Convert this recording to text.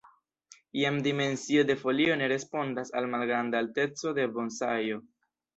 Iam dimensio de folio ne respondas al malgranda alteco de bonsajo.